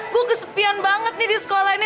gue kesepian banget nih di sekolah ini